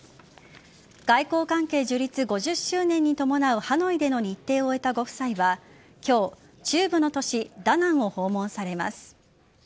外交関係樹立５０周年に伴うハノイでの日程を終えたご夫妻は今日、中部の都市・ダナンを訪問されます。